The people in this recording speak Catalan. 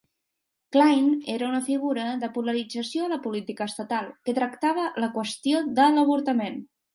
Kline era una figura de polarització a la política estatal, que tractava la qüestió de l"avortament.